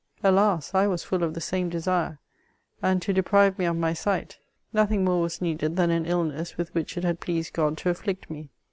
Alas I I was foil of the same desire, and to derive me of my sight, nothing more was needed than an illness with which it had pleased God to afflict me.